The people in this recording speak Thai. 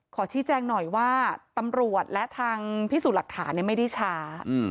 ขอชี้แจงหน่อยว่าตำรวจและทางพิสูจน์หลักฐานไม่ได้ช้า